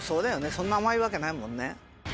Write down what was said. そんな甘いわけないもんね。